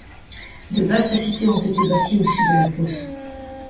De vastes cités ont été bâties au sud de la fosse.